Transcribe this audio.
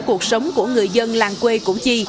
cuộc sống của người dân làng quê củ chi